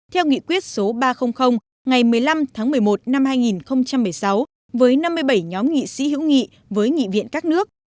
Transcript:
theo nghị quyết số ba trăm linh ngày một mươi năm tháng một mươi một năm hai nghìn một mươi sáu với năm mươi bảy nhóm nghị sĩ hữu nghị với nghị viện các nước